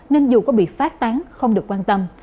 nên dù có bị phát tán không được quan tâm